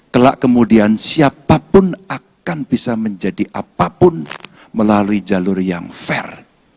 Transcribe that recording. kelak kemudian siapapun akan bisa menjadi apapun melalui jalur yang fair